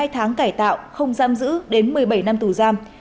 hai tháng cải tạo không giam giữ đến một mươi bảy năm tù giam